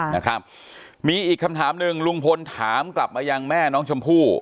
นะครับมีอีกคำถามหนึ่งลุงพลถามกลับมายังแม่น้องชมพู่